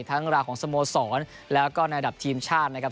ราวของสโมสรแล้วก็ในระดับทีมชาตินะครับ